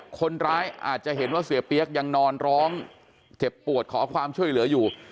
คนร้ายอาจจะเห็นว่าเสียเปี๊ยกยังนอนร้องเจ็บปวดขอความช่วยเหลืออยู่